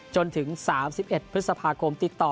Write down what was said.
จนถึง๓๑พฤษภาคมติดต่อ